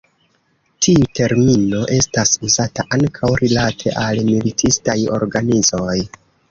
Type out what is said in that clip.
Tiu termino estas uzata ankaŭ rilate al militistaj organizoj.